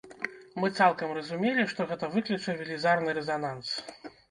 Мы цалкам разумелі, што гэта выкліча велізарны рэзананс.